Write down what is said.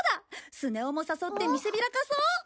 スネ夫も誘って見せびらかそう！